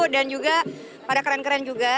dan juga pada keren keren juga